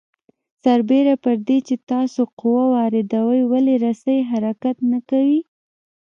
سربېره پر دې چې تاسو قوه واردوئ ولې رسۍ حرکت نه کوي؟